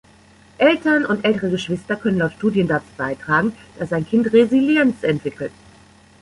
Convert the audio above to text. Eltern und ältere Geschwister können laut Studien dazu beitragen, dass ein Kind Resilienz entwickelt.